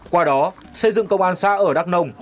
qua đó xây dựng công an xã ở đắk nông